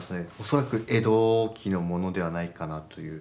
恐らく江戸期のものではないかなという。